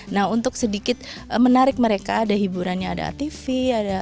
nah untuk sedikit menarik mereka ada hiburannya ada atv